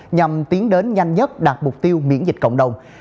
nhằm tiến đến nhanh nhất đạt mục tiêu miễn dịch cộng đồng